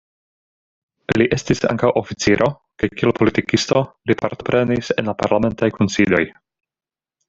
Li estis ankaŭ oficiro kaj kiel politikisto, li partoprenis en la parlamentaj kunsidoj.